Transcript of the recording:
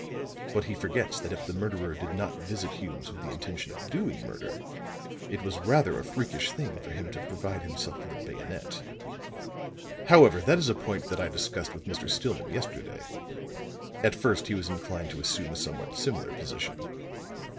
But he forgets that If the murderer did not visit Hume's with the intention of doing murder, it was rather a freakish thing for him to provide himself with a bayonet. However, that is a point that I discussed with Mr. Stillman yesterday; at first he was inclined to assume a somewhat similar position."